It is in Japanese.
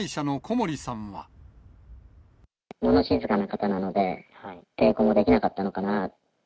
もの静かな方なので、抵抗もできなかったのかな。